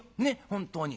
本当に。